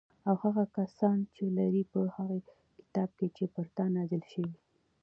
او هغه کسان چې لري په هغه کتاب چې پر تا نازل شوی